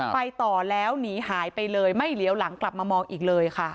ไปต่อแล้วหนีหายไปเลยไม่เหลียวหลังกลับมามองอีกเลยค่ะ